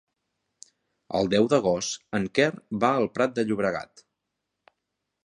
El deu d'agost en Quer va al Prat de Llobregat.